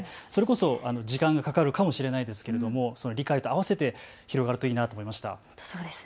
それこそ時間がかかるかもしれないんですけれども理解とあわせて広がるといいなと思いました。